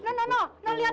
jangan mencintai aku